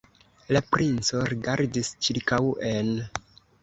La princo rigardis ĉirkaŭen.